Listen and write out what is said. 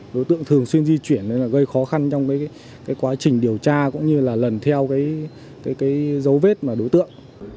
đối tượng thường xuyên di chuyển nên gây khó khăn trong quá trình điều tra cũng như lần theo dấu vết đối tượng